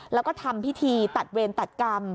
แล้วก็ทำพิธีตัดเวรตัดกรรม